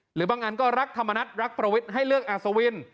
หรือบางอันก็รักธรรมนัฐรักประวิทย์ให้เลือกอัศวิน